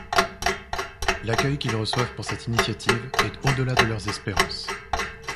L'accueil qu'ils reçoivent pour cette initiative est au-delà de leurs espérances.